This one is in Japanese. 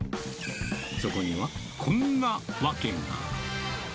そこにはこんな訳が。